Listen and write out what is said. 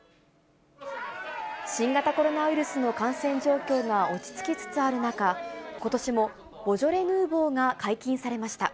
新型コロナウイルスの感染状況が落ち着きつつある中、ことしもボジョレ・ヌーボーが解禁されました。